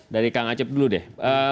dari kang acep dulu deh